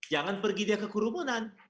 jangan pergi dia ke kerumunan